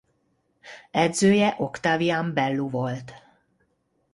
Edzője Octavian Bellu volt.